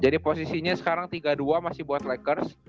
jadi posisinya sekarang tiga dua masih buat lakers